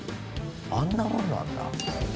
あんなもんなんだ。